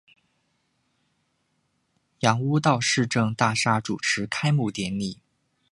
杨屋道市政大厦主持开幕典礼。